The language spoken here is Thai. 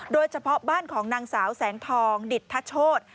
โดยเฉพาะบ้านของนางสาวแสงทองดิตทโชธ